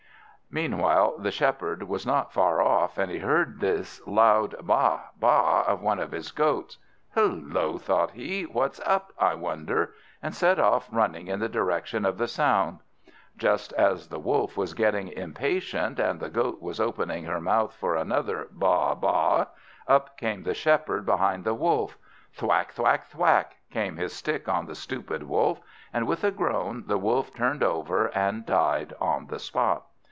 Meanwhile the Shepherd was not far off, and he heard this loud Baa baa of one of his goats. "Hullo," thought he, "what's up, I wonder?" and set off running in the direction of the sound. Just as the Wolf was getting impatient, and the Goat was opening her mouth for another Baa baa, up came the Shepherd, behind the Wolf. Thwack, thwack, thwack! came his stick on the stupid Wolf, and with a groan the Wolf turned over and died on the spot.